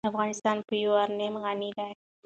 افغانستان په یورانیم غني دی.